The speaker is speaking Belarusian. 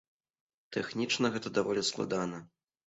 Тэхнічна гэта даволі складана.